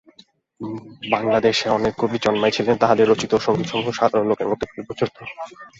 বাঙলাদেশে অনেক কবি জন্মিয়াছিলেন, তাঁহাদের রচিত সঙ্গীতসমূহ সাধারণ লোকের মধ্যে খুব প্রচলিত।